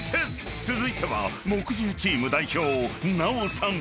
続いては木１０チーム代表奈緒さん］